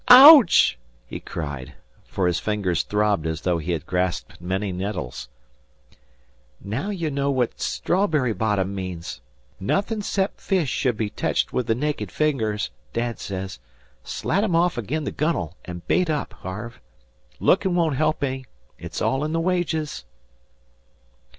"Ouch!" he cried, for his fingers throbbed as though he had grasped many nettles. "Now ye know what strawberry bottom means. Nothin' 'cep' fish should be teched with the naked fingers, Dad says. Slat 'em off agin the gunnel, an' bait up, Harve. Lookin' won't help any. It's all in the wages."